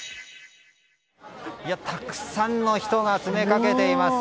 たくさんの人が詰めかけています。